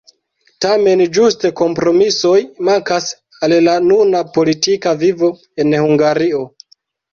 Tamen ĝuste kompromisoj mankas al la nuna politika vivo en Hungario.